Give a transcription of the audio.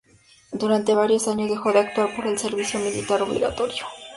Durante varios años dejó de actuar por el servicio militar obligatorio.